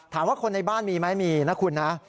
ถามว่าคนในบ้านมีไหมมีนะคุณนะ